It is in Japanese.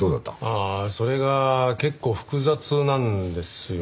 ああそれが結構複雑なんですよね。